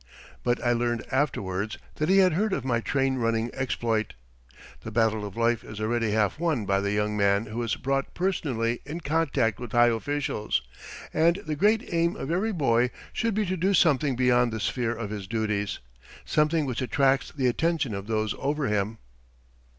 But I learned afterwards that he had heard of my train running exploit. The battle of life is already half won by the young man who is brought personally in contact with high officials; and the great aim of every boy should be to do something beyond the sphere of his duties something which attracts the attention of those over him.